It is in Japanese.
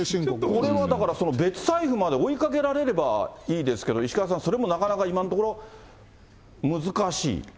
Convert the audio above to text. これはだから、別財布まで追いかけられればいいですけど、石川さん、それもなかなか、今のところ、難しい？